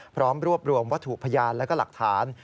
พร้อมรวบรวมวัตถุพยานและหลักฐาน